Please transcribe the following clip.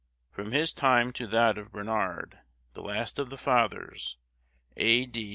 From his time to that of Bernard, the last of the Fathers, A.D.